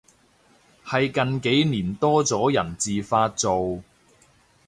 係近幾年多咗人自發做